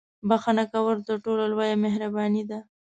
• بښنه کول تر ټولو لویه مهرباني ده.